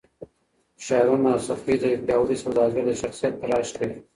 فشارونه او سختۍ د یو پیاوړي سوداګر د شخصیت تراش کوي.